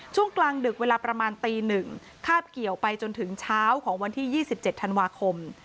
ช่วงกลางดึกเวลาประมาณตี๑คาบเกี่ยวไปจนถึงเช้าของวันที่๒๗ธันวาคม